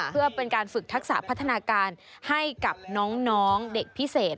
เพื่อเป็นการฝึกทักษะพัฒนาการให้กับน้องเด็กพิเศษ